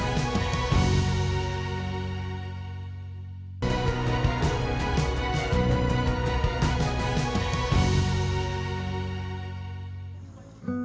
yang membuatnya kaya sekarang